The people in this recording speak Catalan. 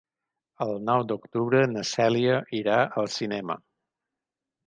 El nou d'octubre na Cèlia irà al cinema.